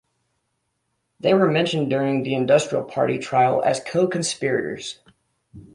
They were mentioned during the "Industrial Party" trial as co-conspirators.